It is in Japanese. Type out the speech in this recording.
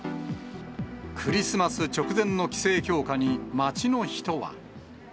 クリスマス直前の規制強化に、街の人は。